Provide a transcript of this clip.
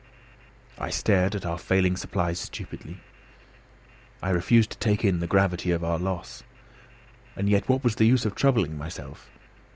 I stared at our failing supplies stupidly. I refused to take in the gravity of our loss. And yet what was the use of troubling myself.